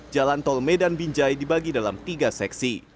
jalan tol medan binjai dibagi dalam tiga seksi